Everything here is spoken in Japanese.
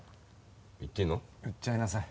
言っちゃいなさい